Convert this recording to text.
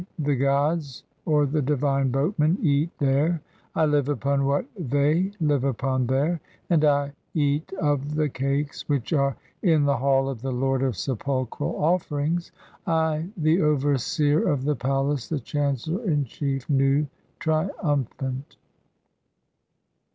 e., the gods, or the divine boatmen) eat "there ; I live upon what (6) they live upon there ; and I cat "of the cakes which arc in the hall of the lord of sepulchral "offerings, I the overseer of the palace, the chancellor in chief, "Nu, triumphant."